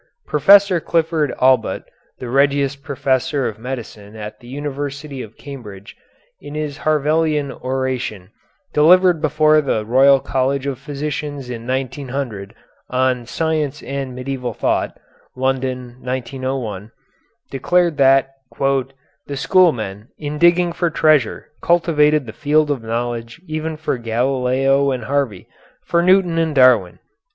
Professor Clifford Allbutt, the Regius Professor of Medicine at the University of Cambridge, in his Harveian Oration, delivered before the Royal College of Physicians in 1900, on "Science and Medieval Thought" (London, 1901), declared that "the schoolmen, in digging for treasure, cultivated the field of knowledge even for Galileo and Harvey, for Newton and Darwin."